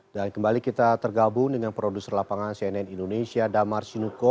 dan kembali kita tergabung dengan produser lapangan cnn indonesia damar sinuko